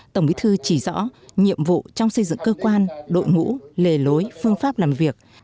tổng bí thư chỉ rõ nhiệm vụ trong xây dựng cơ quan đội ngũ lề lối phương pháp làm việc